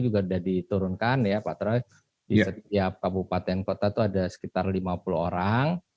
sudah diturunkan ya pak terawi di setiap kabupaten kota itu ada sekitar lima puluh orang